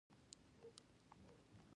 په تخریب کې یې باید برخه وانه خلو.